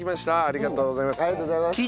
ありがとうございます。